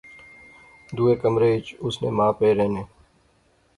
دوئے کمرے اچ اس نے ما پے رہنے